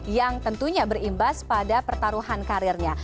yang tentunya berimbas pada pertaruhan karirnya